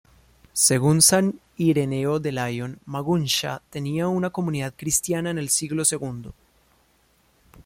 Según San Ireneo de Lyon, Maguncia tenía una comunidad cristiana en el siglo segundo.